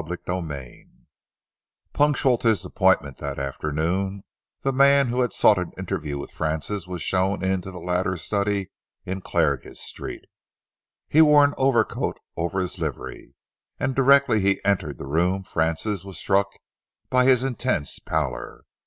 CHAPTER XXX Punctual to his appointment that afternoon, the man who had sought an interview with Francis was shown into the latter's study in Clarges Street. He wore an overcoat over his livery, and directly he entered the room Francis was struck by his intense pallor.